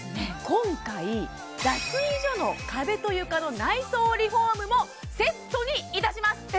今回脱衣所の壁と床の内装リフォームもセットにいたします